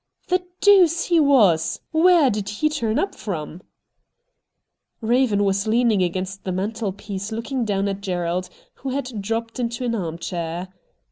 ' The deuce he was ! Wliere did he turn up from ?' Raven was leaning against the mantelpiece, looking down at Gerald, who had dropped into an armchair.